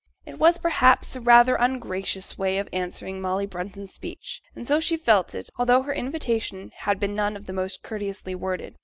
It was, perhaps, a rather ungracious way of answering Molly Brunton's speech, and so she felt it to be, although her invitation had been none of the most courteously worded.